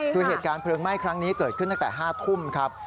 คือเหตุการณ์เพลิงไหม้ครั้งนี้เกิดขึ้นตั้งแต่๕ทุ่มครับ